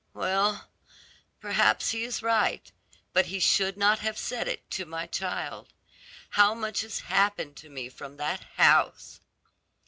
Well, perhaps he is right, but he should not have said it to my child. How much has happened to me from that house!"